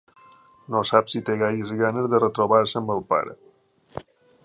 No sap si té gaires ganes de retrobar-se amb el pare.